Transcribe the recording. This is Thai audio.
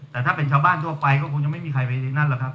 แต่ถ้าเป็นชาวบ้านทั่วไปก็คงยังไม่มีใครไปนั่นหรอกครับ